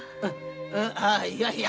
ああいやいや。